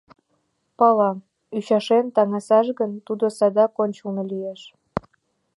Пала: ӱчашен таҥасаш гын, тудо садак ончылно лиеш...